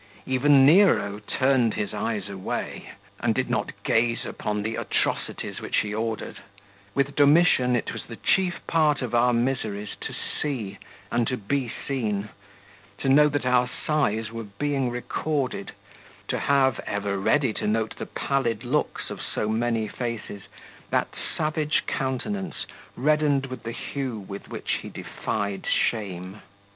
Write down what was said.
Even Nero turned his eyes away, and did not gaze upon the atrocities which he ordered; with Domitian it was the chief part of our miseries to see and to be seen, to know that our sighs were being recorded, to have, ever ready to note the pallid looks of so many faces, that savage countenance reddened with the hue with which he defied shame.